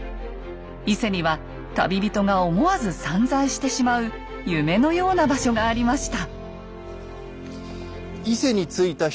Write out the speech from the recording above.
伊勢には旅人が思わず散財してしまう夢のような場所がありました。